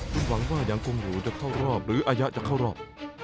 คุณหวังว่ายังคงหูจะเข้ารอบหรืออายะจะเข้ารอบ